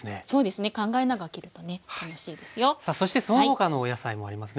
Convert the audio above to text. さあそしてその他のお野菜もありますね。